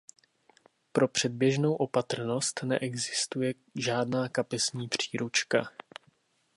Pro předběžnou opatrnost neexistuje žádná kapesní příručka.